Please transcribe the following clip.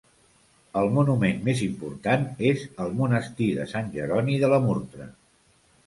El monument més important és el Monestir de Sant Jeroni de la Murtra.